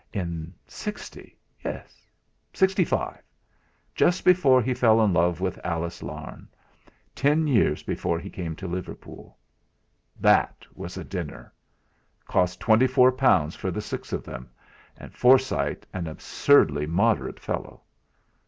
In 'sixty yes 'sixty five? Just before he fell in love with Alice Larne ten years before he came to Liverpool. That was a dinner! Cost twenty four pounds for the six of them and Forsyte an absurdly moderate fellow.